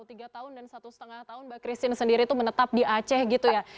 tiga tahun dan satu setengah tahun mbak christine sendiri itu menetap di aceh gitu ya